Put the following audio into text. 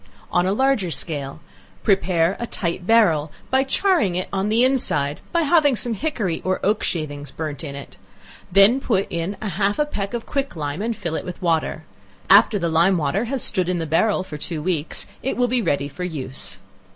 On A Larger Scale. Prepare a tight barrel by charring it on the inside, (by having some hickory or oak shavings burnt in it,) then put in half a peck of quick lime, and fill it with water. After the lime water has stood in the barrel for two weeks, it will be ready for use.